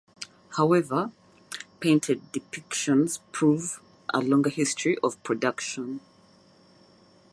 However, painted depictions prove a longer history of production.